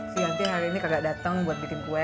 si yanti hari ini kagak dateng buat bikin kue